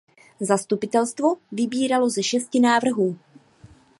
Zastupitelstvo vybíralo ze šesti návrhů.